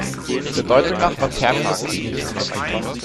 Der Deutung nach war Terminus es nicht.